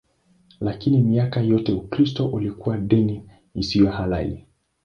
Lakini miaka yote Ukristo ulikuwa dini isiyo halali.